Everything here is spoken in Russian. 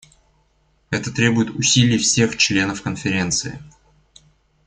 Это требует усилий всех членов Конференции.